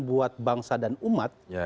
buat bangsa dan umat